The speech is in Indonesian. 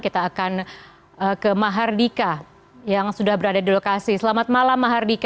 kita akan ke mahardika yang sudah berada di lokasi selamat malam mahardika